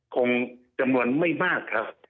คงจะเหมือนไม่มากครับ